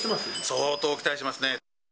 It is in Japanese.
相当期待してますね。